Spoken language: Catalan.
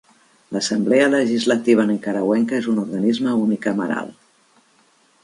L'assemblea legislativa nicaragüenca és un organisme unicameral.